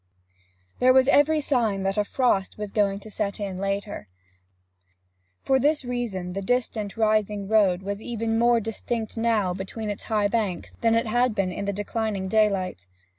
There was every sign that a frost was going to set in later on. For these reasons the distant rising road was even more distinct now between its high banks than it had been in the declining daylight.